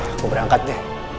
aku berangkat deh